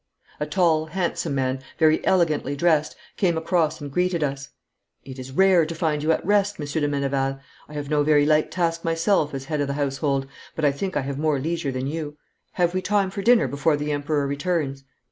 A tall, handsome man, very elegantly dressed, came across and greeted us. 'It is rare to find you at rest, Monsieur de Meneval. I have no very light task myself as head of the household, but I think I have more leisure than you. Have we time for dinner before the Emperor returns?'